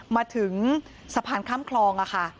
มาถึงสะพานข้ามคลองค่ะ